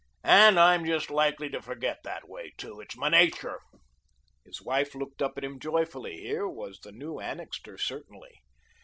And I'm just likely to forget that way, too. It's my nature." His wife looked up at him joyfully. Here was the new Annixter, certainly.